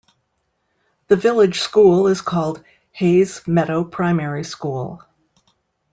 The village school is called Hayes Meadow Primary School.